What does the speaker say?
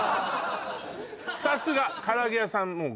さすがからあげ屋さん